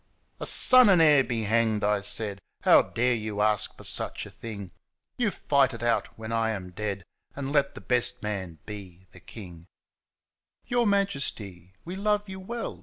* A son and heir be hanged !' I said —' How dare you ask for such a thing, < You fight it out when I am dead ' And let the best man be the king !'^ 6 WHEN I WAS KING * Your Majesty, we love you well